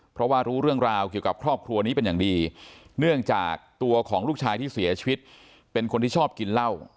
เพราะว่ารู้เรื่องราวเกี่ยวกับครอบครัวนี้เป็นอย่างดีเนื่องจากตัวของลูกชายที่เสียชีวิตเป็นคนที่ชอบกินเหล้า